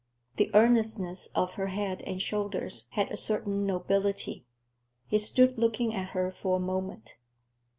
The earnestness of her head and shoulders had a certain nobility. He stood looking at her for a moment.